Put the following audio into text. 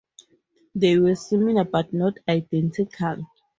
They were similar but not identical.